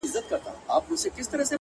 لوړ هدفونه ژمنتیا غواړي